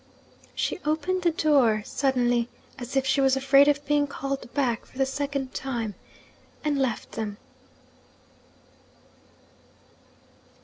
She opened the door suddenly, as if she was afraid of being called back for the second time and left them.